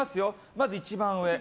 まず一番上。